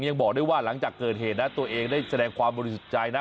ยังบอกด้วยว่าหลังจากเกิดเหตุนะตัวเองได้แสดงความบริสุทธิ์ใจนะ